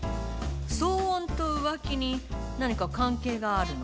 騒音と浮気に何か関係があるの？